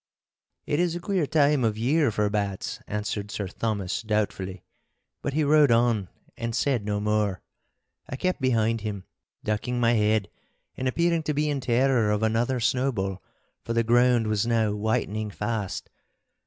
'It is a queer time of year for bats,' answered Sir Thomas, doubtfully. But he rode on and said no more. I kept behind him, ducking my head and appearing to be in terror of another snowball, for the ground was now whitening fast.